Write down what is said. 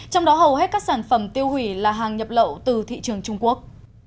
trong đó hầu hết các sản phẩm tiêu hủy là hàng nhập lậu từ thị trường trung quốc